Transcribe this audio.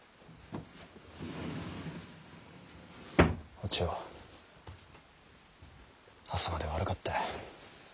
お千代朝まで悪かった。